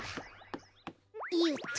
よっと。